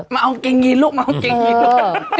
มาเอากางเกงยีนลูกมาเอาเกงยีนลูก